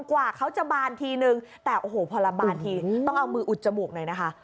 กว่าเขาจะบานทีนึงแต่โอ้โหพอละบานทีต้องเอามืออุดจมูกหน่อยนะคะ